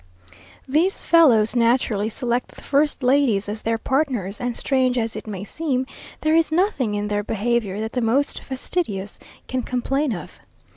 These fellows naturally select the first ladies as their partners, and, strange as it may seem, there is nothing in their behaviour that the most fastidious can complain of.